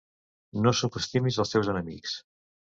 No subestimis els teus enemics.